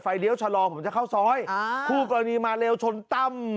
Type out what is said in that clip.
เลี้ยวชะลอผมจะเข้าซอยอ่าคู่กรณีมาเร็วชนตั้ม